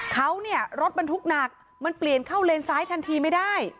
เขาเนี่ยรถบรรทุกหนักมันเปลี่ยนเข้าเลนซ้ายทันทีไม่ได้